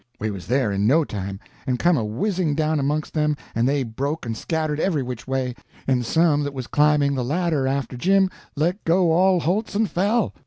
We was there in no time, and come a whizzing down amongst them, and they broke and scattered every which way, and some that was climbing the ladder after Jim let go all holts and fell.